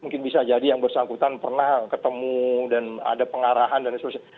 mungkin bisa jadi yang bersangkutan pernah ketemu dan ada pengarahan dan sebagainya